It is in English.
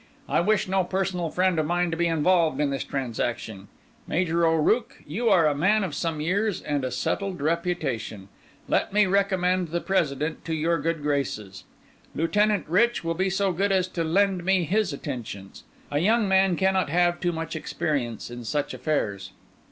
I wish no personal friend of mine to be involved in this transaction. Major O'Rooke, you are a man of some years and a settled reputation—let me recommend the President to your good graces. Lieutenant Rich will be so good as lend me his attentions: a young man cannot have too much experience in such affairs."